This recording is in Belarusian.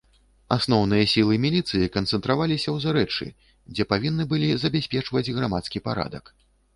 Асноўныя сілы міліцыі канцэнтраваліся ў зарэччы, дзе павінны былі забяспечваць грамадскі парадак.